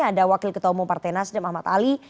ada wakil ketua umum partai nasdem ahmad ali